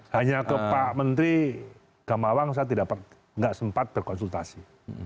hanya ke pak menteri gamawang saya tidak sempat berkonsultasi